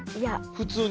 普通に？